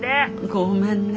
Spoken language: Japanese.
ごめんね。